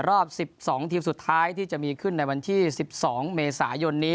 รอบ๑๒ทีมสุดท้ายที่จะมีขึ้นในวันที่๑๒เมษายนนี้